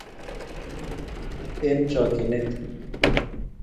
Eng chokchinet